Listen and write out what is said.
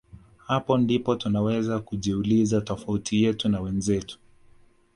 Hapo ndipo tunaweza kujiuliza tofauti yetu na wenzetu